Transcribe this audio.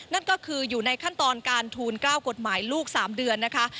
นั่นก็คืออยู่ในขั้นตอนการทูล๙กฎหมายลูก๓เดือนนะคะ